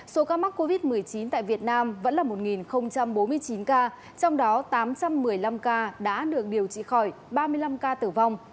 số ca mắc covid một mươi chín tại việt nam vẫn là một bốn mươi chín ca trong đó tám trăm một mươi năm ca đã được điều trị khỏi ba mươi năm ca tử vong